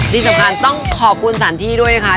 ที่สำคัญต้องขอบคุณสถานที่ด้วยนะคะ